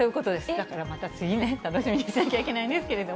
だからまた次ね、楽しみにしなきゃいけないんですけれども。